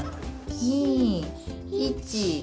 ２１。